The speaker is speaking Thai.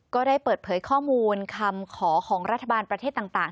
ก็ได้เปิดเผยข้อมูลคำขอของรัฐบาลประเทศต่าง